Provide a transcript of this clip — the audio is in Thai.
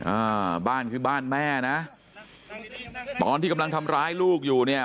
อ่าบ้านคือบ้านแม่นะตอนที่กำลังทำร้ายลูกอยู่เนี่ย